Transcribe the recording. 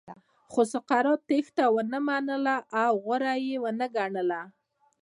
خو سقراط تېښته ونه منله او غوره یې نه ګڼله.